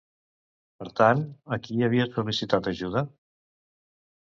Per tant, a qui havia sol·licitat ajuda?